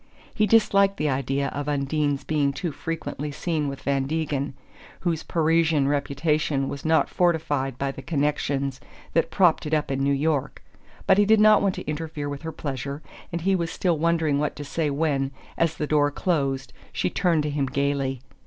He disliked the idea of Undine's being too frequently seen with Van Degen, whose Parisian reputation was not fortified by the connections that propped it up in New York; but he did not want to interfere with her pleasure, and he was still wondering what to say when, as the door closed, she turned to him gaily.